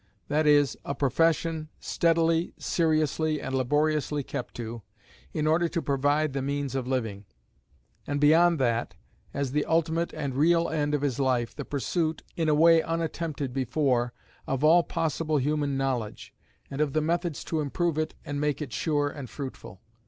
That is, a profession, steadily, seriously, and laboriously kept to, in order to provide the means of living; and beyond that, as the ultimate and real end of his life, the pursuit, in a way unattempted before, of all possible human knowledge, and of the methods to improve it and make it sure and fruitful.